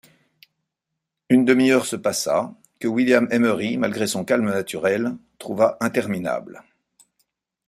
Une demi-heure se passa, que William Emery, malgré son calme naturel, trouva interminable.